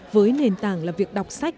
với nền tảng là việc đọc sách